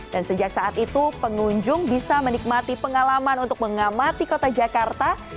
dan sejak saat itu pengunjung bisa menikmati pengalaman untuk mengamati kota jakarta